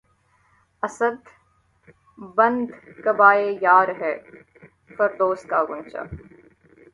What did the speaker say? اسد! بندِ قباے یار‘ ہے فردوس کا غنچہ